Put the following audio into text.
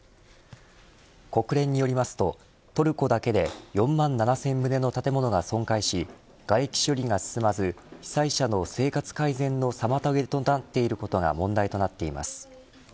国連によりますとトルコだけで４万７０００棟の建物が損壊しがれき処理が進まず被災者の生活改善の妨げとなっていることが問題となっています。